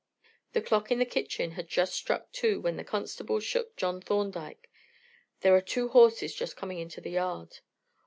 The clock in the kitchen had just struck two when the constable shook John Thorndyke. "There are two horses just coming into the yard."